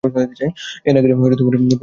এ না কিনে এক পয়সার ছোলাভাজা কিনলে বেশ হত!